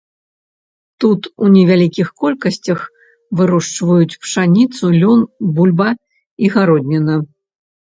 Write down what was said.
Тут у невялікіх колькасцях вырошчваюць пшаніцу, лён, бульба і гародніна.